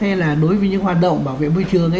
hay là đối với những hoạt động bảo vệ môi trường ấy